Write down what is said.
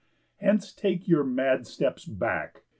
Hence, take your mad steps back.